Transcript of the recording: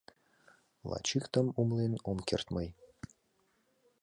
Лач иктым умылен ом керт мый: